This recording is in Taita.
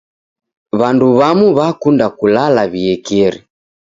W'andu w'amu w'akunda kulala w'iekeri.